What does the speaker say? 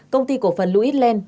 công ty cổ phần louis land